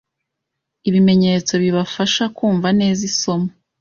ibimenyetso bibafasha kumva neza isomo